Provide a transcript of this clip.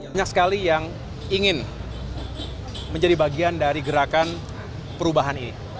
banyak sekali yang ingin menjadi bagian dari gerakan perubahan ini